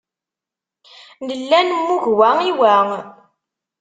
Nella nemmug wa i wa.